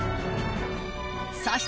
そして